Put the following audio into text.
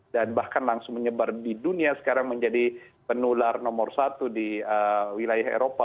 dan bahkan langsung menyebar di dunia sekarang menjadi penular nomor satu di wilayah eropa